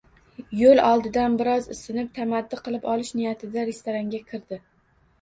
Yoʻl oldidan biroz isinib, tamaddi qilib olish niyatida restoranga kirdi